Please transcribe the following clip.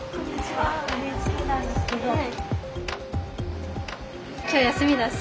はい。